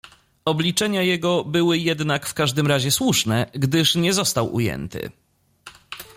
"Obliczenia jego były jednak w każdym razie słuszne, gdyż nie został ujęty."